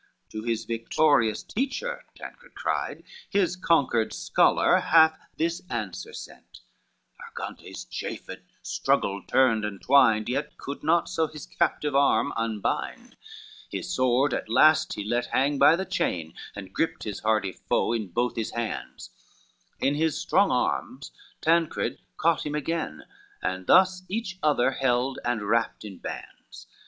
"To his victorious teacher," Tancred cried, "His conquered scholar hath this answer sent;" Argantes chafed, struggled, turned and twined, Yet could not so his captive arm unbind: XVII His sword at last he let hang by the chain, And griped his hardy foe in both his hands, In his strong arms Tancred caught him again, And thus each other held and wrapped in bands.